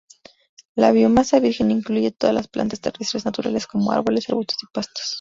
La biomasa virgen incluye todas las plantas terrestres naturales, como árboles, arbustos y pastos.